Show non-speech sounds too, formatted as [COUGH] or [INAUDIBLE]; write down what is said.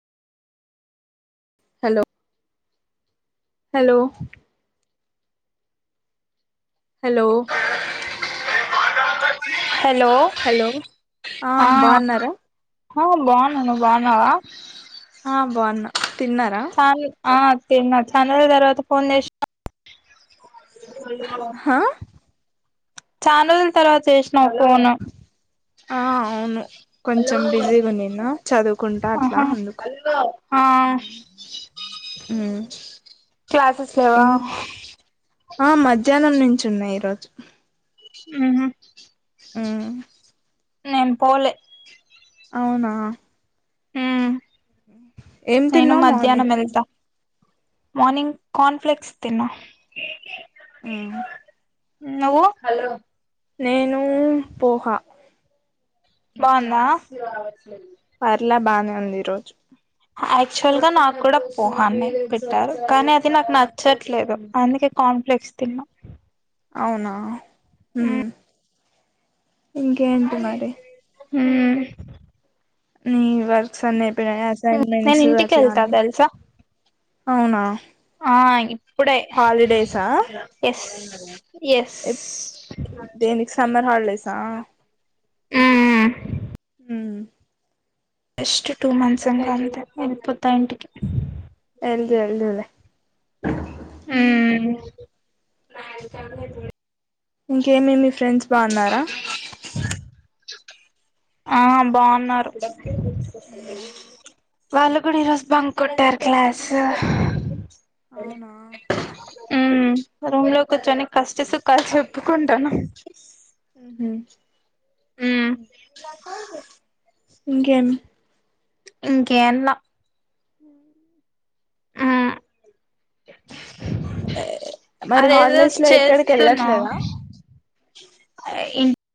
Hello hello hello [INAUDIBLE] hello hello ఆ బాగున్నా ను బాగున్నావా హ బాగున్నా తిన్నారా చాల్ ఆ తిన్న చనారోజుల తర్వాత ఫోన్ చేసి అ హా చాన్ రోజుల తర్వాత చేస్ ఆ అవును కొంచెం బిజీగా ఉన్నిన్నా చదువుకుంటా అట్లా ఆహా అందుకు ఆ ఉమ్ క్లాసెస్ లేవా ఇం ఆ మధ్యాహ్నం నుం చున్నయి. ఈరోజ్ మ్ మ్ నేన్ పోలే అవునా ఉమ్ ఏం నేను తిన్నవ్ మార్నింగ్ మధ్యాహ్నం వెళ్తా మార్నింగ్ కార్న్ఫ్లెక్స్ తిన్న హుమ్ నువ్వు హలో నేను పోహ బావుందా పర్లే బానే ఉంది ఈ రోజు ఆక్చువల్ గా నాకు కూడా పోహాన్నే పెట్టారు కానీ అది నాకు నచ్చట్లేదు అందుకే కాంప్లెక్స్ తిన్నా అవునా హుమ్ ఇంకేంటి మరి హుమ్ నీ వర్క్ సన్నే ఇప్పుడ నేను అసైన్మెంట్స్ ఇంటికి అట్లా వెళ్తా అని తెలుసా అవునా ఆ ఇ ఇప్పుడే ఎస్ అ ఎప్ దేనికి సమ్మర్ హాలిడేస్ ఆ హుమ్ హు హుమ్ జస్ట్ టూ మంత్స్ ఉంటా అంతే వెళ్ళిపోతా ఇంటికి యెల్ద్ యెల్దువులే హుమ్ న చ ఇంకేమేమి ఫ్రెండ్స్ బావున్నారా ఆ బావున్నారు వాళ్ళు కూడా ఈరోజు బంక్ కొట్టారు క్లాసు అవునా రూమ్ లో కుర్చొని కష్ట సుఖాలు చెప్పుకుంటాను హుమ్ అ ఆహ ఇంకేమ్ ఇంకేలా ఆమరి అదేదో హాలిడేస్ లో ఎక్కడికి ఎళ్ళట్లేదా ఇం